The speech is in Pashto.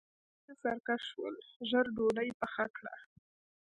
اوړه بېخي سرکه شول؛ ژر ډودۍ پخه کړه.